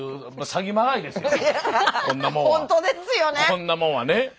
こんなもんはね。